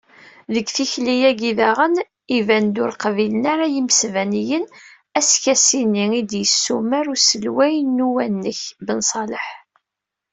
Deg tikli-agi, daɣen, iban-d, ur qbilen ara yimesbaniyen, askasi-nni i d-yessumer uselway n uwanek Benṣalaḥ.